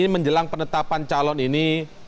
menjelang penetapan calon ini